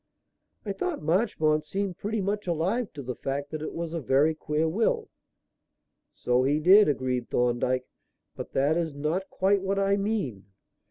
"I thought Marchmont seemed pretty much alive to the fact that it was a very queer will." "So he did," agreed Thorndyke. "But that is not quite what I mean.